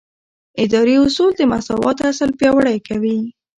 اداري اصول د مساوات اصل پیاوړی کوي.